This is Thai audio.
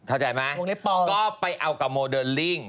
เข้าใจไหมก็ไปเอากับโมเดลลิ่ง